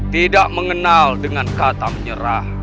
tidak mengenal dengan kata menyerah